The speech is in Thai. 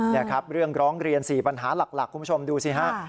นี่ครับเรื่องร้องเรียน๔ปัญหาหลักคุณผู้ชมดูสิฮะ